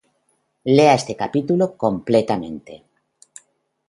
lea este capítulo completamente